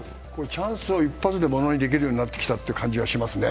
チャンスを一発でものにできるようになってきた気がしますね。